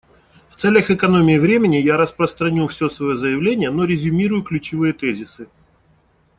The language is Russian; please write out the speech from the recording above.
В целях экономии времени я распространю все свое заявление, но резюмирую ключевые тезисы.